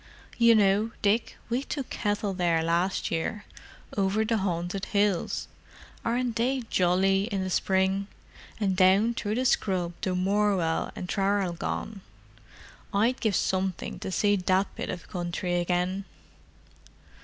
"You know, Dick, we took cattle there last year. Over the Haunted Hills—aren't they jolly in the spring!—and down through the scrub to Morwell and Traralgon. I'd give something to see that bit of country again."